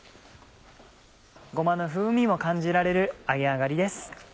ごまの風味も感じられる揚げ上がりです。